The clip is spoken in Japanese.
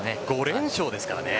５連勝ですからね。